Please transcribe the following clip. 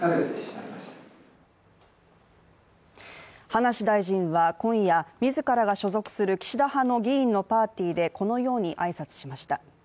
葉梨大臣は今夜、自らが所属する岸田派の議員のパーティーでこのように挨拶しました。